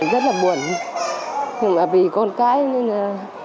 rất là buồn nhưng mà vì con cái nên là